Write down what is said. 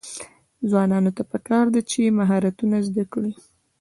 ځوانانو ته پکار ده چې، مهارتونه زده کړي.